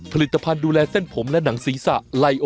ผลิตภัณฑ์ดูแลเส้นผมและหนังศีรษะไลโอ